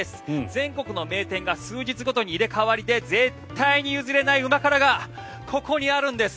全国の名店が数日ごとに入れ替わりで絶対に譲れない旨辛がここにあるんです。